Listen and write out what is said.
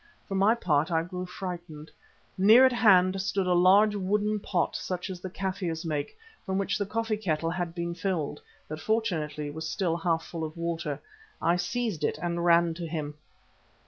For my part I grew frightened. Near at hand stood a large wooden pot such as the Kaffirs make, from which the coffee kettle had been filled, that fortunately was still half full of water. I seized it and ran to him.